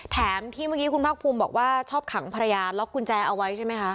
แถมที่เมื่อกี้คุณภาคภูมิบอกว่าชอบขังภรรยาล็อกกุญแจเอาไว้ใช่ไหมคะ